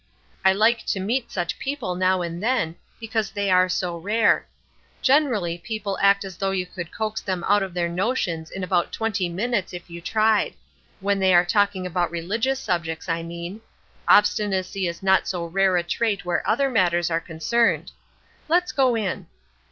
I like to meet such people now and then, because they are so rare. Generally people act as though you could coax them out of their notions in about twenty minutes if you tried when they are talking about religious subjects, I mean. Obstinacy is not so rare a trait where other matters are concerned. Let's go in."